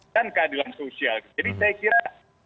keadilan sosial jadi saya kira